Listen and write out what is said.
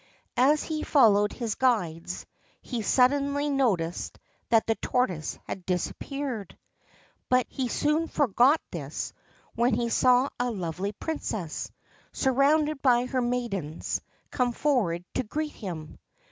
As he followed his guides, he suddenly noticed that the tortoise had disappeared, but he soon forgot this when he saw a lovely Princess, surrounded by her maidens, come forward to greet him.